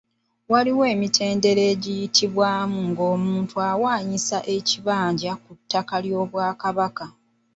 Waliwo emitendera egiyitibwamu nga omuntu awaanyisa ekibanja ku ttaka ly'Obwakabaka.